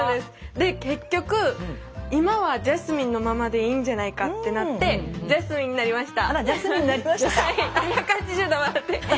で結局今はジャスミンのままでいいんじゃないかってなってジャスミンになりました。